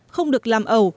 không được làm ẩu